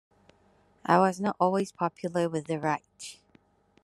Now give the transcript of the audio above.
I was not always popular with the right.